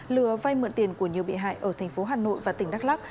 lừa vay mượn tiền của nhiều bị hại ở thành phố hà nội và tỉnh đắk lắc